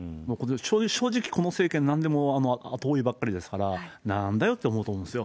正直、この政権、なんでも後追いばっかりですから、なんだよって思うと思うんですよ。